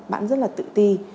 bạn ấy rất là tự ti